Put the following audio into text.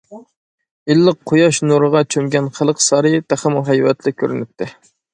ئىللىق قۇياش نۇرىغا چۆمگەن خەلق سارىيى تېخىمۇ ھەيۋەتلىك كۆرۈنەتتى.